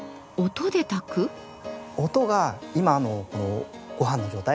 音が今のごはんの状態